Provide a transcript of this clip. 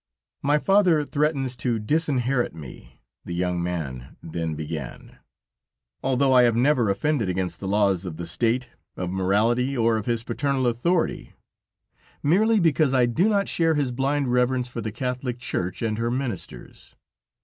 "My father threatens to disinherit me," the young man then began, "although I have never offended against the laws of the State, of morality or of his paternal authority, merely because I do not share his blind reverence for the Catholic Church and her Ministers.